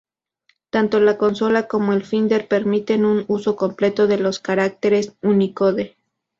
Tanto la consola como el Finder permiten un uso completo de los caracteres Unicode.